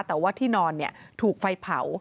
แต่ว่าที่นอนถูกไฟเผา